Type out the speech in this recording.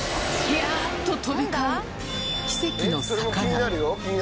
びゃーっと飛び交う奇跡の魚。